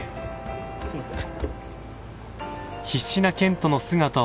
すいません。